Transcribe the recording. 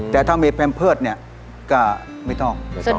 แต่ถ้ามีแพมเพิร์ตเนี่ยก็ไม่ต้อง